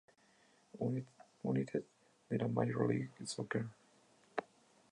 United, de la Major League Soccer.